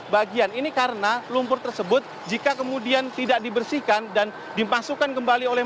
bagian ini karena lumpur tersebut jika kemudian tidak dibersihkan dan dimasukkan kembali oleh